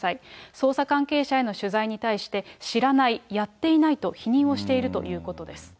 捜査関係者への取材に対して、知らない、やっていないと否認をしているということです。